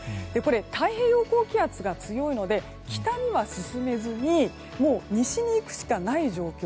太平洋高気圧が強いので北には進めずにもう西にいくしかない状況。